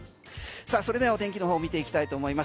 さあ、それではお天気のほう見ていきたいと思います